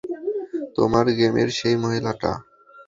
তোমার গেমের সেই মহিলাটা?